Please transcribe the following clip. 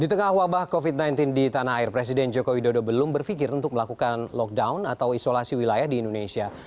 di tengah wabah covid sembilan belas di tanah air presiden joko widodo belum berpikir untuk melakukan lockdown atau isolasi wilayah di indonesia